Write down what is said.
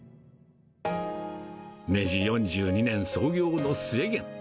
明治４２年創業の末げん。